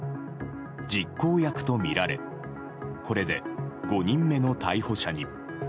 実行役とみられこれで５人目の逮捕者に。